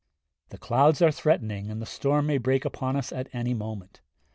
The clouds are threatening and the storm may break upon us at any moment.